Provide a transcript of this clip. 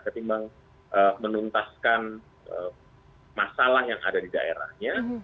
ketimbang menuntaskan masalah yang ada di daerahnya